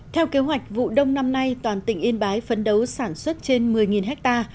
theo kế hoạch vụ đông năm nay toàn tỉnh yên bái phấn đấu sản xuất trên một mươi ha